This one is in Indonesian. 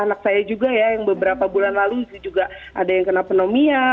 anak saya juga ya yang beberapa bulan lalu juga ada yang kena pneumia